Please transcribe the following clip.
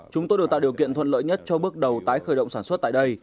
chúng tôi được tạo điều kiện thuận lợi nhất cho bước đầu tái khởi động sản xuất tại đây